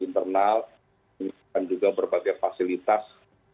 dan juga berbagai fasilitas